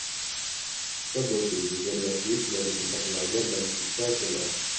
Togoville juga diakui sebagai tempat belajar bagi siswa SMA.